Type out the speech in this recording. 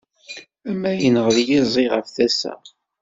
Am ma yennɣel yiẓi ɣef tasa.